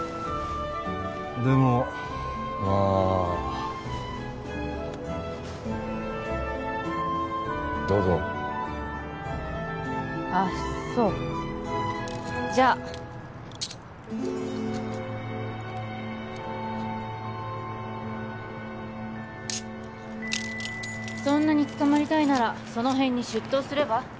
でもまあどうぞあっそうじゃあそんなに捕まりたいならその辺に出頭すれば？